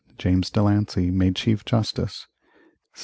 James De Lancey made Chief Justice 1735.